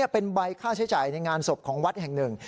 เป็นใบค่าใช้จ่ายในงานศพของวัดแห่งหนึ่ง